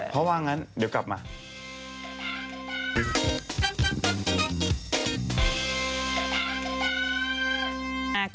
เพราะว่างั้นเดี๋ยวกลับมา